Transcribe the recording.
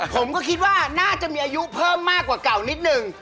ผมก็คิดว่าน่าจะมีอายุเพิ่มมากกว่าเก่านิดนึง